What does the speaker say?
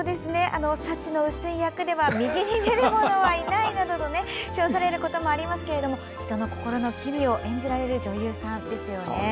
幸の薄い役では右に出るものはいないなどと称されていますが人の心の機微を演じられる女優さんですよね。